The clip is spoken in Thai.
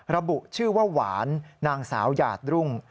ระบุชื่อว่าหวานนางสาวหยาดรุ่ง